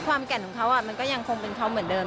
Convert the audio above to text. แก่นของเขามันก็ยังคงเป็นเขาเหมือนเดิม